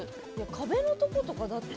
壁のところとか、だって。